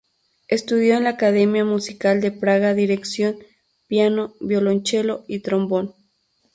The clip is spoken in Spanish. Estudió en la Academia Musical de Praga dirección, piano, violonchelo y trombón.